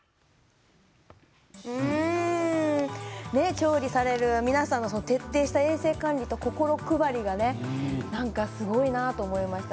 調理される皆さんの徹底した衛生管理と心配りがねなんかすごいなと思いました。